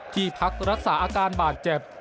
ที่พักรักษาอาการบาดเจ็บ